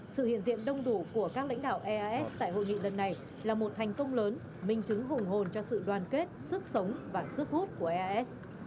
sự hiện diện đông đủ của các lãnh đạo eas tại hội nghị lần này là một thành công lớn minh chứng hùng hồn cho sự đoàn kết sức sống và sức hút của as